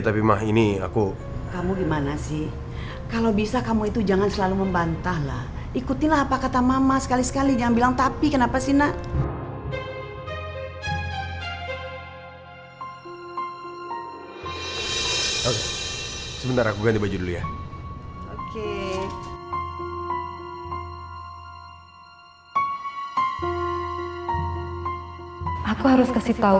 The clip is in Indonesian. sampai jumpa di video selanjutnya